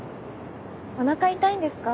お腹痛いんですか？